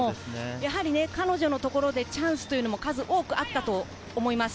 彼女のところでチャンスも数多くあったと思います。